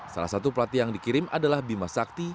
salah satu pelatih yang dikirim adalah bima sakti